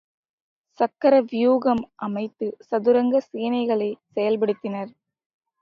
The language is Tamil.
சக்கர வியூகம் அமைத்துச் சதுரங்க சேனைகளைச் செயல்படுத்தினர்.